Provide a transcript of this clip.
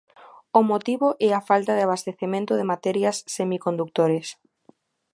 O motivo é a falta de abastecemento de materias semicondutores.